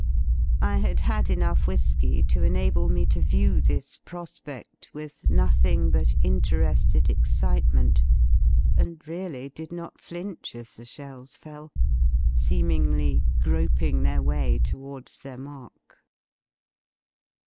I had had enough whisky to enable me to view this prospedt with nothing but intere^ed excitement, and really did not flinch as the shells fell, seemingly groping their way towards their mark.